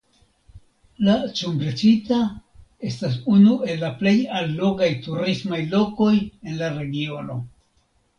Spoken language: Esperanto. La Cumbrecita estas unu el la plej allogaj turismaj lokoj en la regiono.